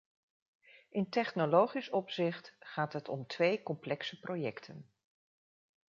In technologisch opzicht gaat het om twee complexe projecten.